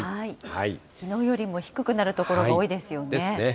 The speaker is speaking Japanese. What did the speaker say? きのうよりも低くなる所が多ですね。